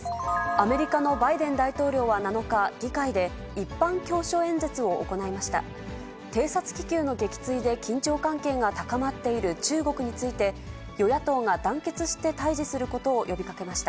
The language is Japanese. アメリカのバイデン大統領は７日、議会で一般教書演説を行いました。